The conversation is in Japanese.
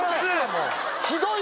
もう。